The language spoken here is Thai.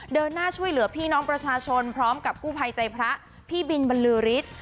เดินหน้าช่วยเหลือพี่น้องประชาชนพร้อมกับกู้ภัยใจพระพี่บินบรรลือฤทธิ์